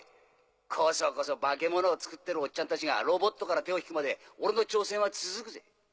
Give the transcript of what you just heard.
コソコソ化け物を造ってるおっちゃんたちがロボットから手を引くまで俺の挑戦は続くぜ。